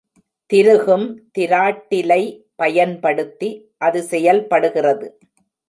திருகும் திராட்டிலை பயன்படுத்தி அது செயல்படுகிறது.